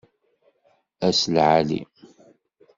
Ass lɛali!